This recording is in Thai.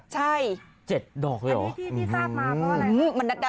ใช่๗ดอกเลยเหรอที่ที่ทราบมาเพราะอะไร